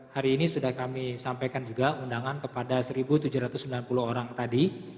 hari ini sudah kami sampaikan juga undangan kepada satu tujuh ratus sembilan puluh orang tadi